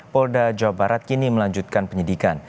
polda jawa barat kini melanjutkan penyidikan